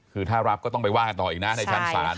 คือถ้ารับก็ต้องไปว่าต่ออีกนะในชั้นสรรค์